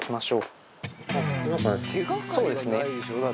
そうですね。